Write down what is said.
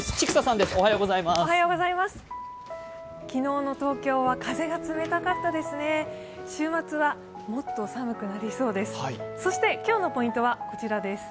昨日の東京は風が冷たかったですね。